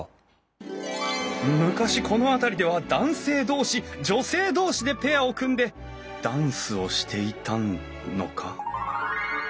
昔この辺りでは男性同士女性同士でペアを組んでダンスをしていたのか？